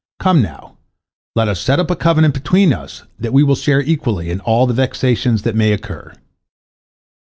Come, now, let us set up a covenant between us, that we will share equally all the vexations that may occur."